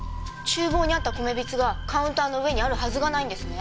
厨房にあった米びつがカウンターの上にあるはずがないんですね。